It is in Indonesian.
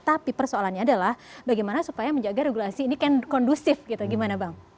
tapi persoalannya adalah bagaimana supaya menjaga regulasi ini kan kondusif gitu gimana bang